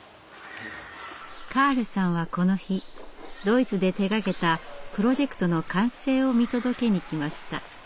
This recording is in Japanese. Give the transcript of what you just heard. カールさんはこの日ドイツで手がけたプロジェクトの完成を見届けにきました。